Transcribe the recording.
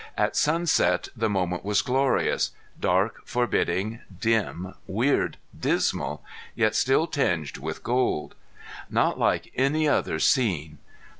At sunset the moment was glorious dark, forbidding, dim, weird, dismal, yet still tinged with gold. Not like any other scene!